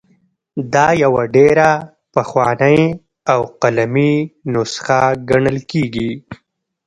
دا یوه ډېره پخوانۍ او قلمي نسخه ګڼل کیږي.